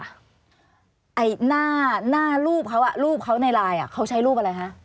ไอ้หน้ารูปเขารูปเขาในไลน์เขาใช้รูปอะไรคะ